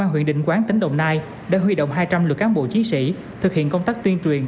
huyện định quán tỉnh đồng nai đã huy động hai trăm linh lượt cán bộ chiến sĩ thực hiện công tác tuyên truyền